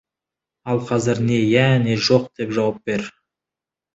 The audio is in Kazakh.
Ал қазір не "иә", не "жоқ" деп жауап бер.